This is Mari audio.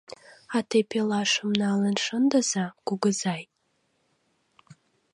— А те пелашым налын шындыза, кугызай!